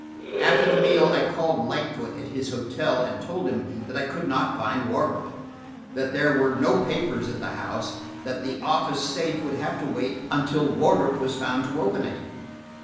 After the meal, I called Lightfoot at his hotel, and told him that I could not find Wardrop; that there were no papers at the house, and that the office safe would have to wait until Wardrop was found to open it.